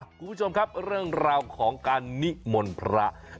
คุณผู้ชมครับเรื่องราวของการนิมนต์พระ